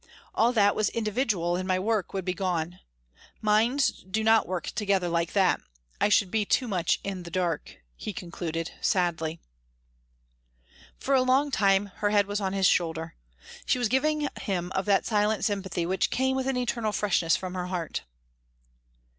All that was individual in my work would be gone. Minds do not work together like that. I should be too much in the dark," he concluded, sadly. For a long time her head was on his shoulder. She was giving him of that silent sympathy which came with an eternal freshness from her heart.